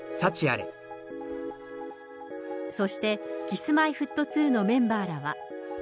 そして、Ｋｉｓ−Ｍｙ−Ｆｔ２のメンバーらは。